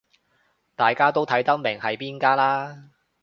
大家都睇得明係邊間啦